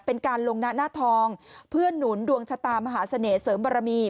เป็นการลงหน้าหน้าทองเพื่อนหนุนดวงชะตามหาเสน่ห์เสริมบารมี